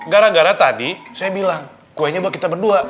gara gara tadi saya bilang kuenya buat kita berdua